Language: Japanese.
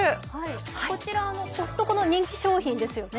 こちらコストコの人気商品ですよね。